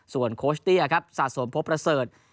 ส่วนโค้ชสะสมโพพระเซิร์ช